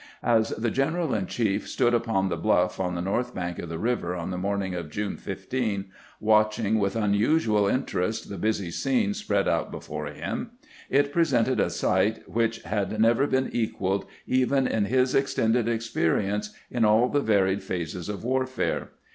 As the general in chief stood upon the bluff on the north bank of the river on the morning of June 15, watching with unusual interest the busy scene spread out before him, it presented a sight which had never been equaled even in his extended experience in all the varied phases of warfare.